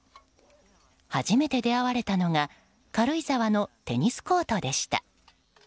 初めて出会われたのが軽井沢のテニスコートでした。